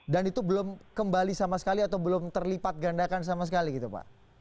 dan itu belum kembali sama sekali atau belum terlipat gandakan sama sekali gitu pak